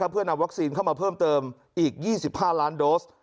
เพื่อนำวัคซีนเข้ามาเพิ่มเติมอีก๒๕ล้านโดส